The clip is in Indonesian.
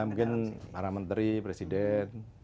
mungkin para menteri presiden